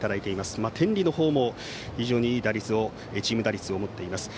天理の方も、非常にいいチーム打率を持っています。